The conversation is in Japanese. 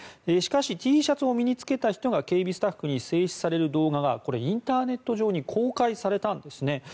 しかしＴシャツを身に着けた人が警備スタッフに制止される動画がインターネット上に公開されたんですね。